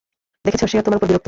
দেখেছ, সেও তোমার ওপর বিরক্ত।